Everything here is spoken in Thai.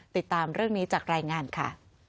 ติดตามเรื่องนี้จากรายงานค่ะ